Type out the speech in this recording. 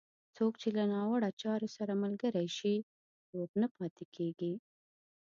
څوک چې له ناوړه چارو سره ملګری شي، روغ نه پاتېږي.